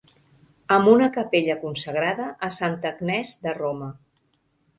Amb una capella consagrada a Santa Agnès de Roma.